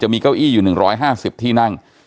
มีเก้าอี้อยู่๑๕๐ที่นั่ง